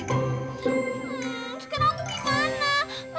hmm sekarang aku gimana